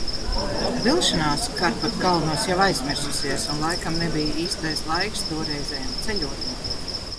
Vilšanās Karpatu kalnos jau aizmirsusies un laikam nebija īstais gada laiks toreizējam ceļojumam.